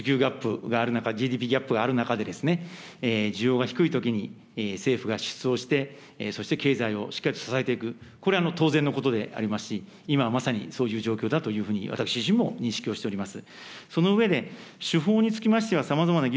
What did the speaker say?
まさに需要ギャップ、需給ギャップがある中、ＧＤＰギャップがある中で、需要が低いときに政府が支出をして、そして経済をしっかりと支えていく、これは当然のことでありますし、今まさにそういう状況だというふうに、私自身も認識をしております。